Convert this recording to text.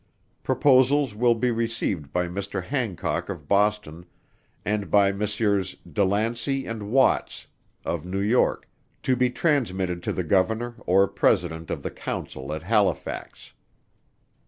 Proposals will be received by Mr. Hancock of Boston, and by Messrs. Delancie & Watts of New York, to be transmitted to the Governor, or President of the Council at Halifax.